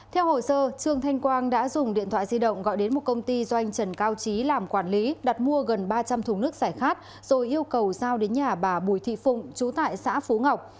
theo hồ sơ trương thanh quang đã dùng điện thoại di động gọi đến một công ty doanh trần cao trí làm quản lý đặt mua gần ba trăm linh thùng nước sải khát rồi yêu cầu giao đến nhà bà bùi thị phụng chú tại xã phú ngọc